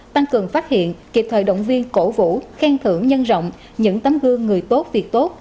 tăng cường phát hiện kịp thời động viên cổ vũ khen thưởng nhân rộng những tấm gương người tốt việc tốt